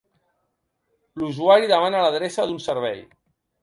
L'usuari demana l'adreça d'un servei.